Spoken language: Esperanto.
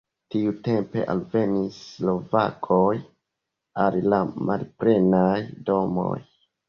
Tiutempe alvenis slovakoj al la malplenaj domoj.